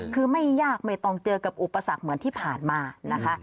คือไม่ยากไม่ต้องเจอกับอุปสรรคเหมือนที่ผ่านมานะคะ